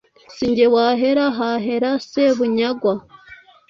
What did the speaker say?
Sinjye wahera, hahera Sebunyagwa